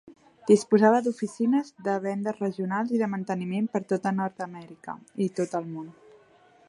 Disposava d"oficines de vendes regionals i de manteniment per tota Nord-amèrica i tot el món.